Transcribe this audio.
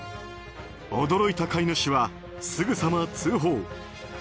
驚いた飼い主は、すぐさま通報。